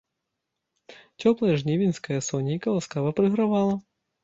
Цёплае жнівеньскае сонейка ласкава прыгравала.